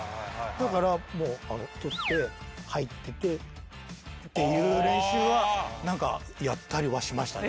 だからもう取って入ってて。っていう練習は何かやったりはしましたね。